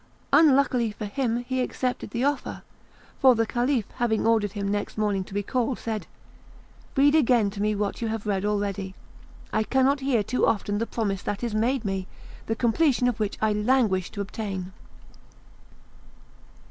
Unluckily for him, he accepted the offer; for the Caliph, having ordered him next morning to be called, said: "Read again to me what you have read already; I cannot hear too often the promise that is made me, the completion of which I languish to obtain."